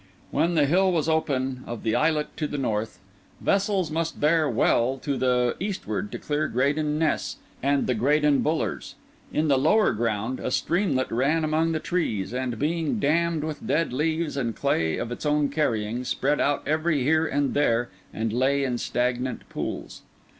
When the hill was open of the islet to the north, vessels must bear well to the eastward to clear Graden Ness and the Graden Bullers. In the lower ground, a streamlet ran among the trees, and, being dammed with dead leaves and clay of its own carrying, spread out every here and there, and lay in stagnant pools.